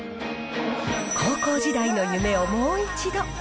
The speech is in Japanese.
高校時代の夢をもう一度。